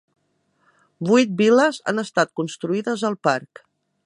Vuit vil·les han estat construïdes al parc.